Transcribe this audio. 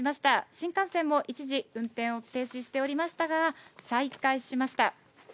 新幹線も一時運転を停止しておりましたが、再開しました。